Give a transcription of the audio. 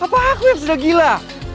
apa aku yang sudah gila